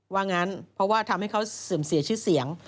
ว่างั้นเพราะว่าทำให้เขาเสื่อมเสียชื่อเสียง